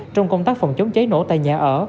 trong công tác phòng chống cháy nổ tại nhà ở